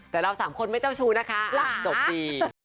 แต่เราสามคนไม่เจ้าชู้นะคะจบดี